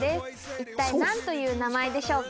一体何という名前でしょうか？